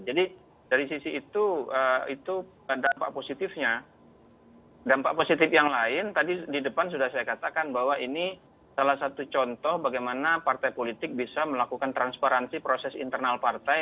jadi dari sisi itu dampak positifnya dampak positif yang lain tadi di depan sudah saya katakan bahwa ini salah satu contoh bagaimana partai politik bisa melakukan transparansi proses internal partai